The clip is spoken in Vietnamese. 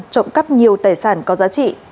trộm cắp nhiều tài sản có giá trị